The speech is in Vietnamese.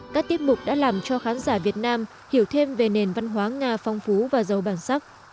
các tiết mục đã làm cho khán giả việt nam hiểu thêm về nền văn hóa nga phong phú và giàu bản sắc